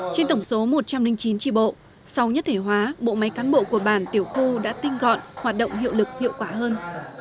trên tổng số một trăm linh chín tri bộ sau nhất thể hóa bộ máy cán bộ của bản tiểu khu đã tinh gọn hoạt động hiệu lực hiệu quả hơn